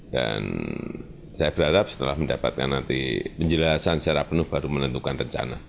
dan saya berharap setelah mendapatkan nanti penjelasan secara penuh baru menentukan rencana